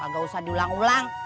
gak usah diulang ulang